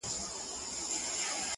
دا ځان کي ورک شې بل وجود ته ساه ورکوي!!